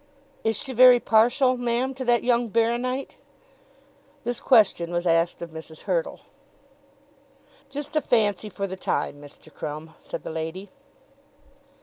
Is she very partial, ma'am, to that young baro nite?" This question was asked of Mrs. Hurtle. "Just a fancy for the time, Mr. Crumb," said the lady.